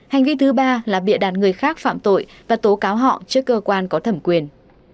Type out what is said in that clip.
hành vi thứ ba là bịa đặt người khác phạm tội và tố cáo họ trước cơ quan có thẩm quyền